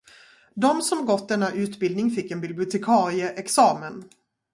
De som gått denna utbildning fick en bibliotekarieexamen.